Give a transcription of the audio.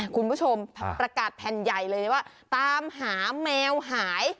คุณผู้ชมประกาศแผ่นใหญ่เลยว่าตามหาแมวหาย